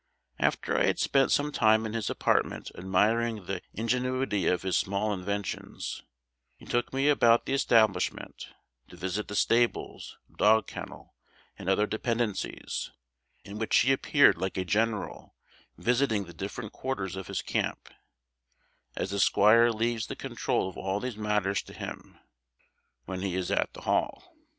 After I had spent some time in his apartment admiring the ingenuity of his small inventions, he took me about the establishment, to visit the stables, dog kennel, and other dependencies, in which he appeared like a general visiting the different quarters of his camp; as the squire leaves the control of all these matters to him, when he is at the Hall.